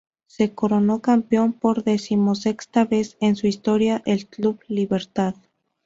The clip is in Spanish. Se coronó campeón por decimosexta vez en su historia el Club Libertad.